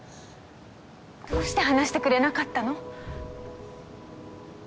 どうして話してくれなかったの？